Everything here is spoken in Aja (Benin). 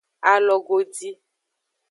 Alogodi.